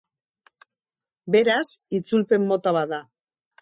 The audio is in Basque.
Beraz, itzulpen mota bat da.